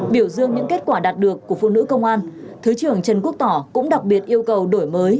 biểu dương những kết quả đạt được của phụ nữ công an thứ trưởng trần quốc tỏ cũng đặc biệt yêu cầu đổi mới